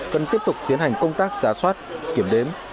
cần tiếp tục tiến hành công tác giả soát kiểm đếm